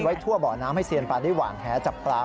ทั่วบ่อน้ำให้เซียนปลาได้หวานแหจับปลา